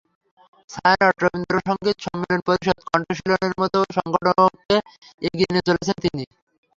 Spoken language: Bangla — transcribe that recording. ছায়ানট, রবীন্দ্রসংগীত সম্মিলন পরিষদ, কণ্ঠশীলনের মতো সংগঠনকে এগিয়ে নিয়ে চলেছেন তিনি।